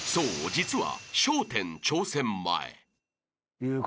実は］